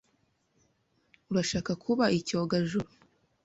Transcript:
Urashaka kuba icyogajuru?